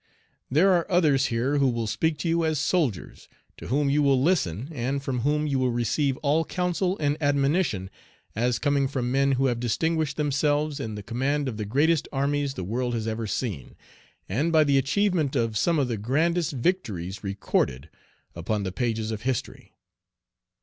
There are others here who will speak to you as soldiers, to whom you will listen, and from whom you will receive all counsel and admonition as coming from men who have distinguished themselves in the command of the greatest armies the world has ever seen, and by the achievement of some of the grandest victories recorded upon the pages of history.